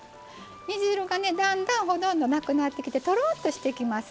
煮汁がだんだんなくなってきてとろっとしてきます。